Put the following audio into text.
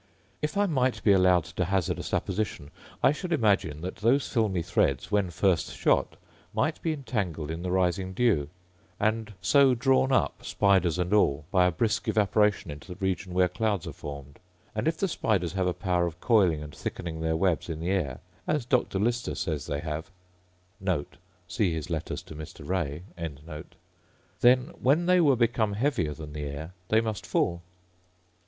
If I might be allowed to hazard a supposition, I should imagine that those filmy threads, when first shot, might be entangled in the rising dew, and so drawn up, spiders and all, by a brisk evaporation into the region where clouds are formed: and if the spiders have a power of coiling and thickening their webs in the air, as Dr. Lister says they have [see his Letters to Mr. Ray], then, when they were become heavier than the air, they must fall.